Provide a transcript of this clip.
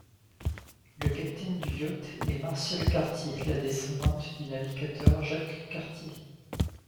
Le capitaine du yacht est Martiale Cartier, la descendante du navigateur Jacques Cartier.